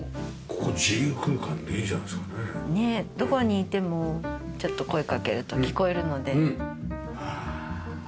どこにいてもちょっと声かけると聞こえるので。